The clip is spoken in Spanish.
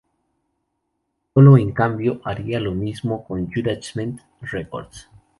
Nicolo, en cambio, haría lo mismo con Judgement Records.